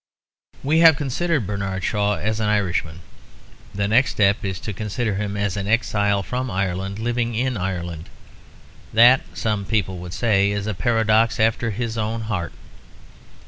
We have considered Bernard Shaw as an Irishman. The next step is to consider him as an exile from Ireland living in Ireland; that, some people would say, is a paradox after his own heart.